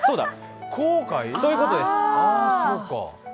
そういうことです。